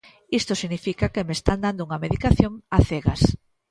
Isto significa que me están dando unha medicación a cegas.